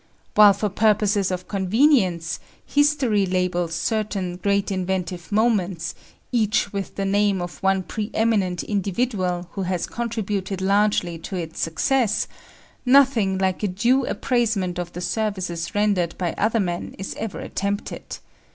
While for purposes of convenience, history labels certain great inventive movements, each with the name of one pre eminent individual who has contributed largely to its success, nothing like a due appraisement of the services rendered by other men is ever attempted.